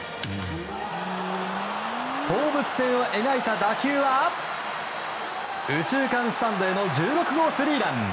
放物線を描いた打球は右中間スタンドへの１６号スリーラン。